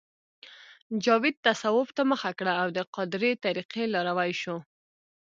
جاوید تصوف ته مخه کړه او د قادرې طریقې لاروی شو